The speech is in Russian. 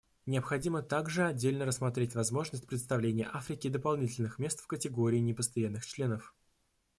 Необходимо также отдельно рассмотреть возможность предоставления Африке дополнительных мест в категории непостоянных членов.